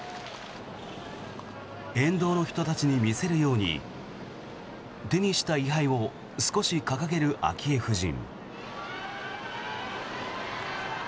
沿道の人たちに見せるように手にした位牌を少し掲げる昭恵夫人。